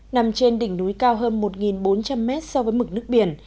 nằm trên đỉnh núi cao hơn một bốn trăm linh mét so với mực nước biển